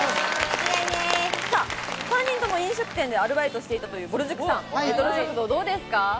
３人とも飲食店でアルバイトしていたぼる塾さん、どうですか？